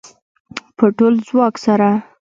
په ټول ځواک سره